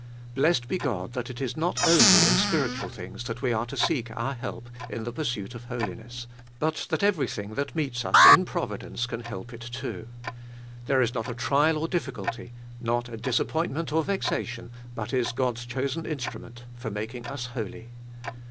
Blessed be God that it is not only in spiritual things that we are to seek 500 Gbe Iboliest of SU our help in the pursuit of holiness, but that everything that meets us in providence can help it too. There is not a trial or difficulty, not a disappointment or vexation, but is God's chosen instrument for making us holy.